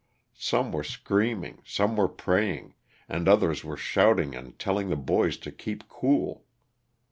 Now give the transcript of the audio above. Some were screaming, some were praying, and others were shouting and telling the boys to keep cool.